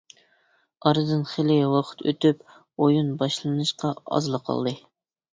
ئارىدىن خىلى ۋاقىت ئۆتۈپ ئويۇن باشلىنىشقا ئازلا قالدى.